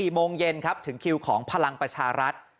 โมงเย็นครับถึงคิวของพลังประชารัฐ